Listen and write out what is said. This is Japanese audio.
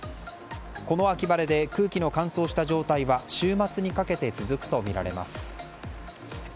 この秋晴れで空気の乾燥した状態は週末にかけて続くとみられます。